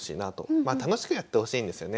まあ楽しくやってほしいんですよね。